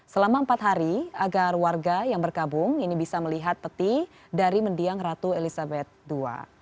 selama empat hari agar warga yang berkabung ini bisa melihat peti dari mendiang ratu elizabeth ii